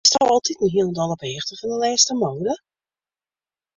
Bisto altiten hielendal op 'e hichte fan de lêste moade?